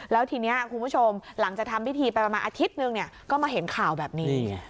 แล้วทีนี้คุณผู้ชมหลังจากทำพิธีไปประมาณอาทิตย์นึงก็มาเห็นข่าวแบบนี้